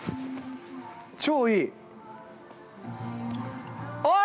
超いい！